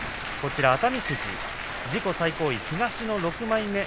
熱海富士自己最高位、東の６枚目。